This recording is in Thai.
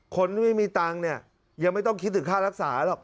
คนที่ไม่มีตังค์เนี่ยยังไม่ต้องคิดถึงค่ารักษาหรอก